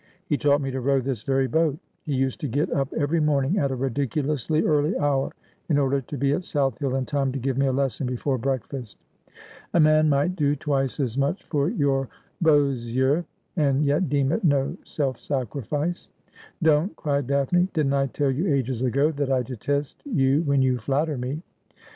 ' He taught me to row this very boat. He used to get up every morning at a ridiculously early hour, in order to be at South Hill in time to give me a lesson before breakfast.' ' A man might do twice as much for your leaux yeux, and yet deem it no self sacrifice.' ' Don't,' cried Daphne. ' Didn't I tell you ages ago that I detest you when you flatter me